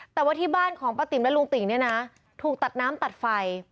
แต่ว่าที่บ้านของป้าติ๋มและลุงติ่งเนี่ยนะถูกตัดน้ำตัดไฟ